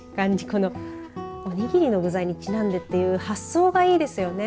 このおにぎりの具材にちなんでという発想がいいですよね。